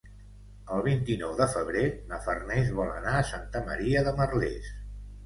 El vint-i-nou de febrer na Farners vol anar a Santa Maria de Merlès.